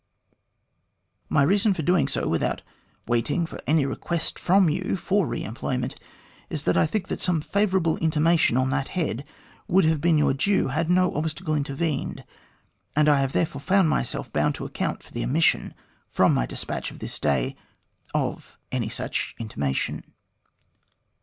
My reason for doing so, without waiting for any request from you for re employment, is that I think that some favourable intimation on that head would have been your due had no obstacle intervened, and I have therefore found myself bound to account for the omission from my despatch of this day of any such intimation."